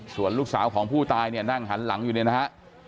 ส่วนลูกสาวของผู้ตายเนี่ยนั่งหันหลังอยู่เนี่ยนะฮะ